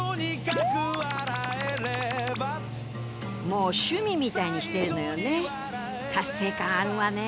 もう趣味みたいにしてるのよね。